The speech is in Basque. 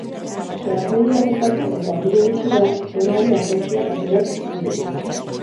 Tragedia gertatu eta ordu gutxira zonari argazkiak atera zizkioten.